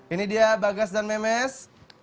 ini dia bagas dan memes